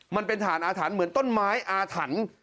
มันเป็นฐานอาถรรพ์เหมือนต้นไม้อาถรรพ์